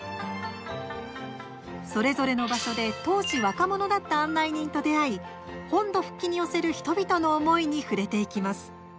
それぞれの場所で当時、若者だった案内人と出会い本土復帰に寄せる人々の思いに触れていきます。